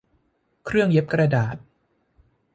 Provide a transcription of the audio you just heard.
เครื่องเย็บกระดาษ